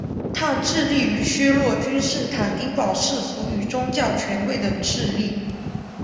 他致力于削弱君士坦丁堡世俗与宗教权贵的势力。